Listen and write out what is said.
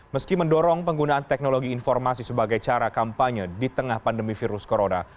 meski mendorong penggunaan teknologi informasi sebagai cara kampanye di tengah pandemi virus corona